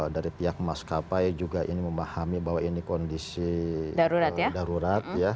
dari pihak maskapai juga ini memahami bahwa ini kondisi darurat ya